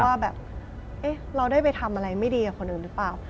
ว่าแบบเราได้ไปทำอะไรไม่ดีกับคนอื่นหรือเปล่า